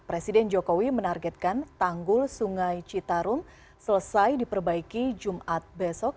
presiden jokowi menargetkan tanggul sungai citarum selesai diperbaiki jumat besok